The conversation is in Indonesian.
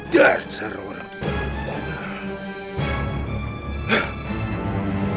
derseru orang orang tuhan